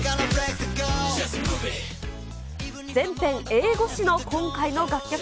全編英語詞の今回の楽曲。